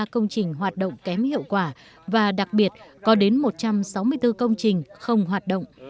hai trăm bốn mươi ba công trình hoạt động kém hiệu quả và đặc biệt có đến một trăm sáu mươi bốn công trình không hoạt động